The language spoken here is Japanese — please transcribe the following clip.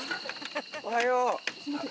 おはよう。